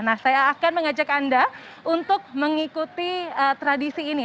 nah saya akan mengajak anda untuk mengikuti tradisi ini